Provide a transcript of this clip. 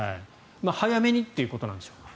早めにということなんでしょうか。